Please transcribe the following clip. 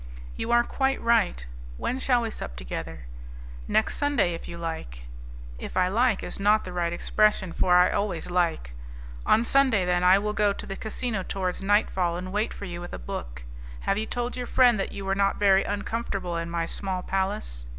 "You are quite right. When shall we sup together?" "Next Sunday, if you like." "If I like is not the right expression, for I always like. On Sunday, then, I will go to the casino towards nightfall, and wait for you with a book. Have you told your friend that you were not very uncomfortable in my small palace?"